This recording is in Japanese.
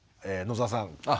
野沢さん